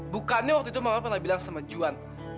bukannya waktu itu mama pernah bilang sama juan